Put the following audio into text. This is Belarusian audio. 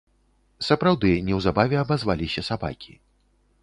Сапраўды, неўзабаве абазваліся сабакі.